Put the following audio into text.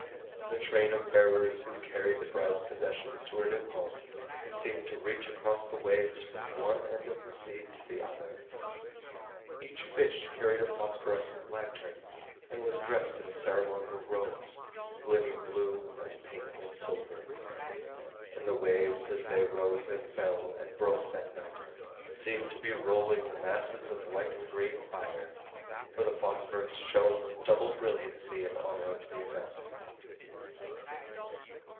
The train of bearers who carried the bride's possessions to her new home seemed to reach across the waves from one end of the sea to the other. Each fish carried a phosphorescent lantern and was dressed in ceremonial robes, gleaming blue and pink and silver; and the waves as they rose and fell and broke that night seemed to be rolling masses of white and green fire, for the phosphorus shone with double brilliancy in honor of the event.